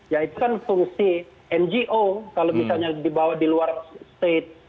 ya itu kan fungsi ngo kalau misalnya dibawa di luar state